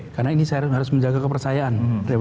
karena ini saya harus menjaga kepercayaan